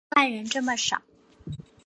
难怪人这么少